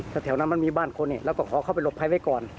แต่แถวนั้นมันมีบ้านคนแล้วก็ขอเข้าไปหลบภัยไว้ก่อน